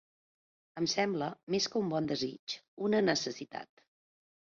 Em sembla, més que un bon desig, una necessitat.